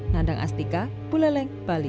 nandang astika buleleng bali